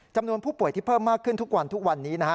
จำนวนผู้ป่วยที่เพิ่มมากขึ้นทุกวันทุกวันนี้นะฮะ